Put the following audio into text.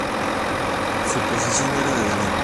Su posición era de delantero.